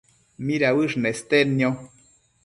midauësh nestednio?